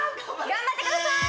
・頑張ってください！